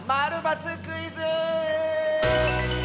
○×クイズ」！